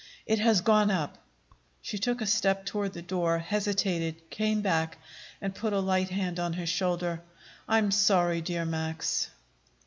"It has gone up!" She took a step toward the door, hesitated, came back, and put a light hand on his shoulder. "I'm sorry, dear Max."